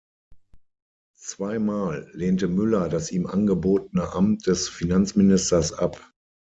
Zweimal lehnte Müller das ihm angebotene Amt des Finanzministers ab.